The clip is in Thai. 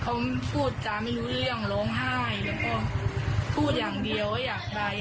เขาพูดจาไม่รู้เรื่องร้องไห้แล้วก็พูดอย่างเดียวว่าอยากไป